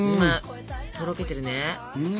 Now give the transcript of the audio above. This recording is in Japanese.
とろけてるね。